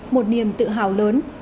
một niềm tự hào lớn